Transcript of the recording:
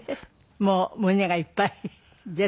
もう胸がいっぱいです。